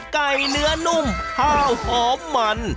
กาแย๕๐๕๐เนื้อนุ่มผ้าหอมมัน